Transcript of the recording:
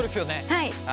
はい。